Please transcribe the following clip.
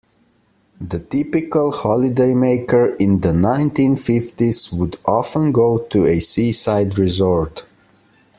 The typical holidaymaker in the nineteen-fifties would often go to a seaside resort